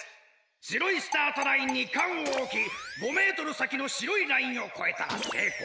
しろいスタートラインにかんをおき５メートルさきのしろいラインをこえたらせいこう。